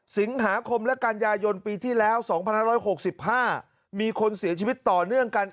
สิงหาคมและกันยายนปีที่แล้ว๒๑๖๕มีคนเสียชีวิตต่อเนื่องกัน